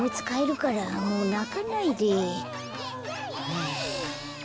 はあ。